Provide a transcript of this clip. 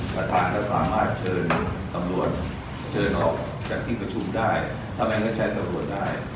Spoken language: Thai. ประธานก็สามารถเชิญตำรวจเชิญออกจากที่ประชุมได้ทำไมไม่ใช้ตำรวจได้